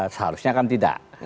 seharusnya akan tidak